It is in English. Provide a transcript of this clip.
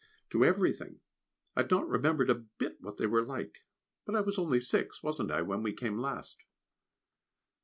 to everything. I had not remembered a bit what they were like; but I was only six, wasn't I, when we came last?